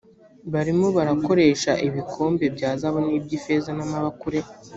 barimo barakoresha ibikombe bya zahabu n’iby’ifeza n’amabakure